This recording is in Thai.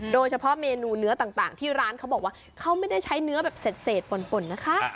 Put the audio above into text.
โดยเฉพาะเมนูเนื้อต่างที่ร้านเขาบอกว่าเขาไม่ได้ใช้เนื้อแบบเศษป่นนะคะ